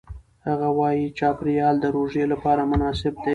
هغه وايي چاپېریال د روژې لپاره مناسب دی.